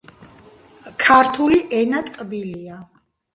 ქართული ენა ტკბილია